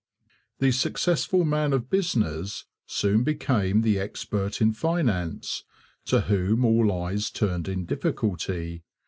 The successful man of business soon became the expert in finance, to whom all eyes turned in difficulty.